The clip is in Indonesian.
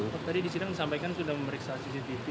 prof tadi disini disampaikan sudah memeriksa cctv